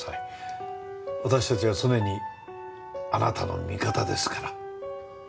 私たちは常にあなたの味方ですから。